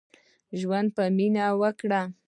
ژوند په مينه وکړئ.